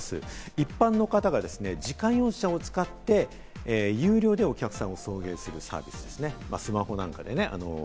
一般の方が自家用車を使って有料でお客さんを送迎するサービスですね、スマホなんかでね。